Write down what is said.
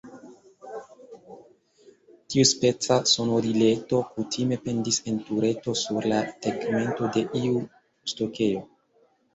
Tiuspeca sonorileto kutime pendis en tureto sur la tegmento de iu stokejo.